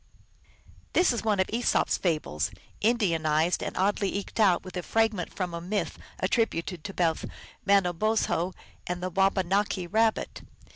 This is one of Esop s fables Indianized and oddly eked out with a fragment from a myth attributed to both Manobozho and the Wabanaki Kabbit.